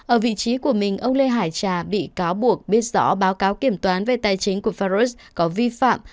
ở vị trí của mình ông lê hải trà bị cáo buộc biết rõ báo cáo kiểm toán về tài chính của faros có vi phạm